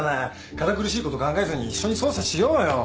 堅苦しいこと考えずに一緒に捜査しようよ。